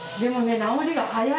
治りが早い！